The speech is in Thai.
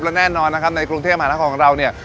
และแน่นอนนะครับในกรุงเทพมหานครของเราเนี่ย